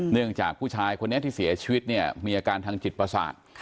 เนื่องจากผู้ชายคนนี้ที่เสียชีวิตเนี่ยมีอาการทางจิตประสาท